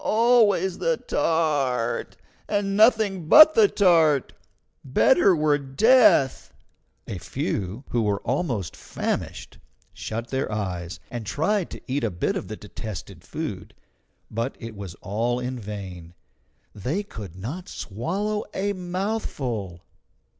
Always the tart, and nothing but the tart! Better were death!" A few, who were almost famished, shut their eyes, and tried to eat a bit of the detested food; but it was all in vain they could not swallow a mouthful.